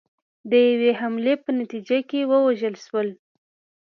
د یوې حملې په نتیجه کې ووژل شول.